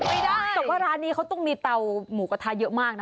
เพราะว่าร้านนี้ต้องมีเต่ามูกระทะเยอะมาก